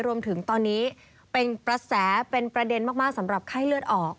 รวมถึงตอนนี้เป็นกระแสเป็นประเด็นมากสำหรับไข้เลือดออก